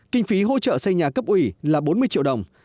kinh phí hỗ trợ xây nhà cấp ủy là bốn mươi triệu đồng